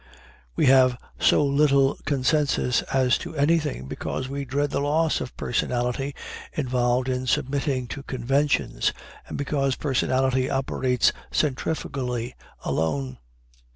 We have so little consensus as to anything, because we dread the loss of personality involved in submitting to conventions, and because personality operates centrifugally alone.